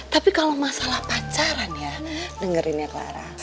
tapi kalau masalah pacaran ya dengerin ya clara